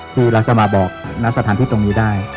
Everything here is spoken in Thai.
ดูแล้วก็มาบอกนักสถานที่ตรงนี้ได้